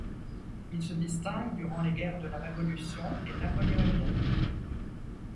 Il se distingue durant les guerres de la Révolution et napoléoniennes.